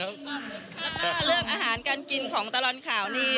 ค่ะเรื่องอาหารการกินของตะลอนขาวนี่